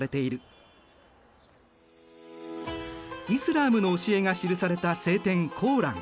イスラームの教えが記された聖典「コーラン」。